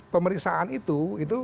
pemeriksaan itu itu